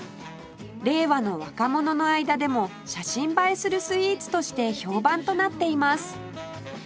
令和の若者の間でも写真映えするスイーツとして評判となっています